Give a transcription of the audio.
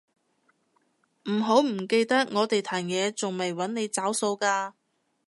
唔好唔記得我哋壇野仲未搵你找數㗎